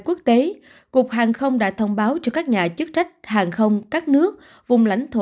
quốc tế cục hàng không đã thông báo cho các nhà chức trách hàng không các nước vùng lãnh thổ